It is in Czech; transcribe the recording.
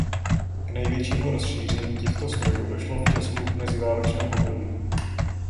K největšímu rozšíření těchto strojů došlo v Česku v meziválečném období.